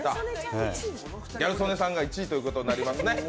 ギャル曽根さんが１位ということになりますね。